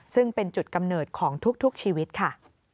ซึ่งเป็นจุดกำเนิดของทุกชีวิตค่ะ